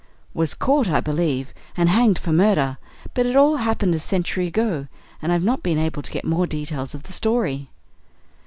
"Was caught, I believe, and hanged for murder; but it all happened a century ago, and I've not been able to get more details of the story."